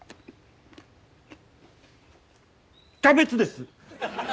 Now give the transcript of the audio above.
キャベツです！